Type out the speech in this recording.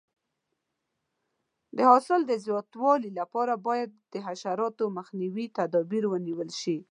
د حاصل د زیاتوالي لپاره باید د حشراتو مخنیوي تدابیر ونیول شي.